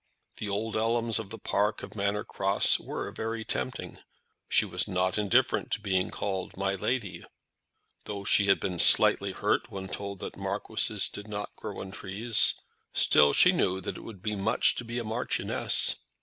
The old elms of the park of Manor Cross were very tempting. She was not indifferent to being called My Lady. Though she had been slightly hurt when told that marquises did not grow on hedges, still she knew that it would be much to be a marchioness.